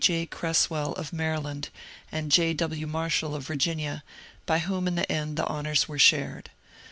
J. Cresswell of Maryland and J. W. Marshall of Virginia, by whom in the end the honours were shared.